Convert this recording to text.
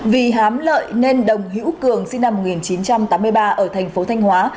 vì hám lợi nên đồng hữu cường sinh năm một nghìn chín trăm tám mươi ba ở thành phố thanh hóa